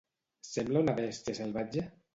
Sembla una bèstia salvatge?